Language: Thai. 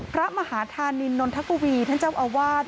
พระมหาธานินนทกวีท่านเจ้าอาวาส